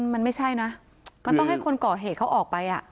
มันไม่ใช่นะมันต้องให้คนก่อเหตุเขาออกไป